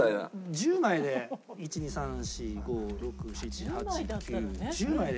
１２３４５６７８９１０枚で。